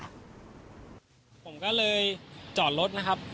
ผมก็เลยจอดรถนะครับ